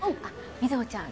瑞穂ちゃん